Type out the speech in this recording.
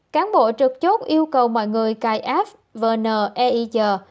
cán bộ trực chốt yêu cầu mọi người cài app vn e i g